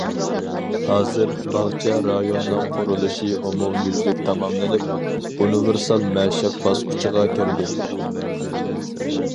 ھازىر، باغچە رايونىنىڭ قۇرۇلۇشى ئومۇميۈزلۈك تاماملىنىپ، ئۇنىۋېرسال مەشىق باسقۇچىغا كىردى.